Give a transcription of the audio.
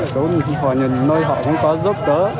cũng có những nơi họ cũng có giúp đỡ